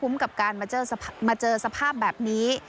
มาเจอสภาพแบบนี้